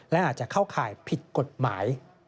และอาจจะเข้าข่ายผิดกฎหมาย